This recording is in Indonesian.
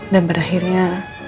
dan pada akhirnya